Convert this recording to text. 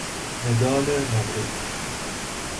مدال نقره